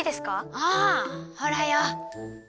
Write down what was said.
ああほらよ。